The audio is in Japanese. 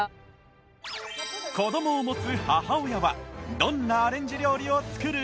子供を持つ母親はどんなアレンジ料理を作る？